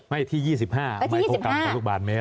ไม่ที่๒๕ออกมาทุกบาทเมตร